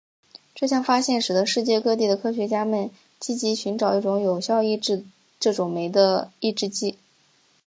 这项发现使得世界各地的科学家们积极寻找一种有效抑制这种酶的抑制剂。